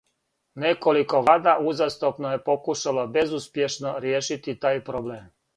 Неколико влада узастопно је покушало безуспјешно ријешити тај проблем.